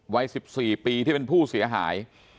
วัยสิบสี่ปีที่เป็นผู้เสียหาย